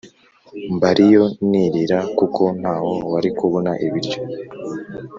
mbariyo nirira kuko ntaho wari kubona ibiryo